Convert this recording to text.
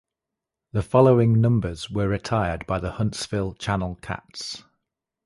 The following numbers were retired by the Huntsville Channel Cats.